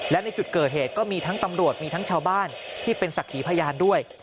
และในจุดเกิดเหตุก็มีทั้งตำรวจมีทั้งชาวบ้านที่เป็นศักดิ์ขีพยานด้วย